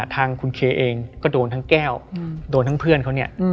ทางคุณเคเองก็โดนทั้งแก้วโดนทั้งเพื่อนเขาเนี่ย